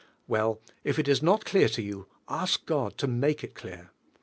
Well, if it is not elear to you, ask God to make il ilenr.